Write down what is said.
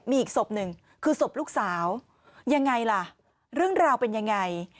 มีอีกศพหนึ่งคือศพลูกสาวยังไงล่ะเรื่องราวเป็นยังไง